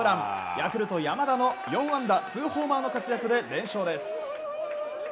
ヤクルト山田の４安打２ホーマーの活躍で連勝です。